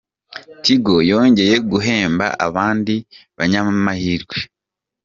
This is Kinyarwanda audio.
Tigo yongeye guhemba abandi banyamahirwe